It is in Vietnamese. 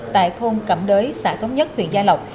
tại thôn cẩm đới xã thống nhất huyện gia lộc